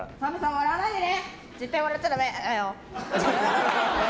笑わないでね！